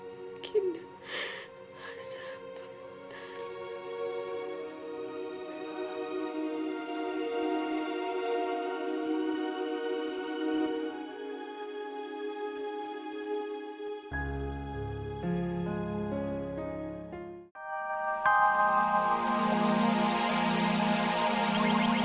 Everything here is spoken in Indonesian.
mungkin dan asal benar